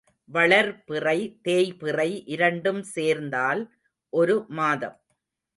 வளர்பிறை, தேய்பிறை இரண்டும் சேர்ந்தால் ஒரு மாதம்.